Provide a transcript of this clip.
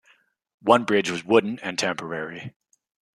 One bridge was wooden and temporary.